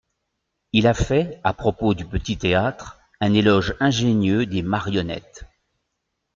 Il a fait, à propos du Petit-Théâtre, un éloge ingénieux des marionnettes.